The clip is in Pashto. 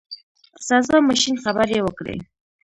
د سزا ماشین خبرې وکړې.